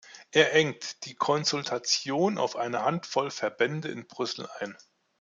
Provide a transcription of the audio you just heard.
Er engt die Konsultation auf eine Handvoll Verbände in Brüssel ein.